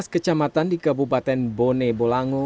empat belas kecamatan di kabupaten bone bolangu